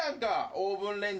オーブンレンジ。